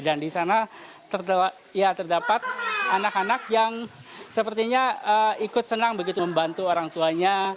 dan di sana ya terdapat anak anak yang sepertinya ikut senang begitu membantu orang tuanya